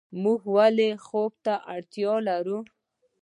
موږ ولې خوب ته اړتیا لرو